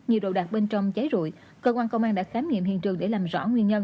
nhiều đồ đạc bên trong cháy rụi cơ quan công an đã khám nghiệm hiện trường để làm rõ nguyên nhân